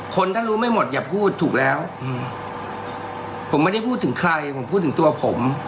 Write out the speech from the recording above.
คนถ้ารู้ไม่หมดอย่าพูดถูกแล้วอืมผมไม่ได้พูดถึงใครผมพูดถึงตัวผม